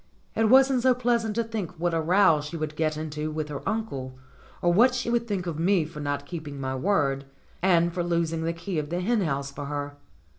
It wasn't so pleasant to think what a row she would get into with her uncle, or what she would think of me for not keeping my word, and for losing the key of the hen house for her.